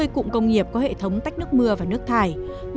một trăm sáu mươi cụm công nghiệp có hệ thống tách nước mưa và nước thải